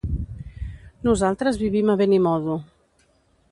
Nosaltres vivim a Benimodo.